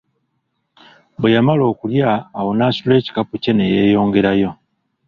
Bwe yamala okulya awo n'asitula ekikapu kye ne yeeyongerayo.